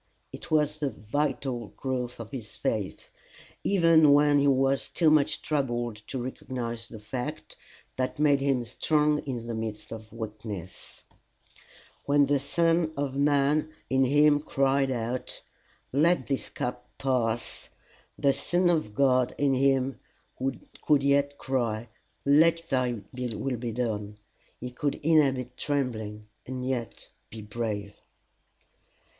It was the vital growth of this faith, even when he was too much troubled to recognize the fact, that made him strong in the midst of weakness; when the son of man in him cried out, Let this cup pass, the son of God in him could yet cry, Let thy will be done. He could "inhabit trembling," and yet be brave.